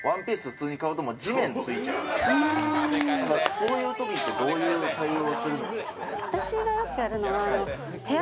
そういうときってどういう対応をするんですか？